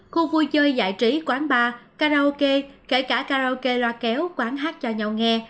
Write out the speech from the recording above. khu vui chơi giải trí quán bar karaoke kể cả karaoke loa kéo quán hát cho nhau nghe